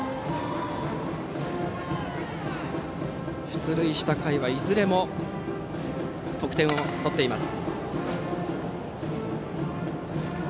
出塁した回はいずれも得点を取っています。